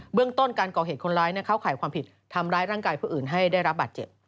เรื่องต้นการก่อเหตุคนร้ายเข้าข่ายความผิดทำร้ายร่างกายผู้อื่นให้ได้รับบาดเจ็บ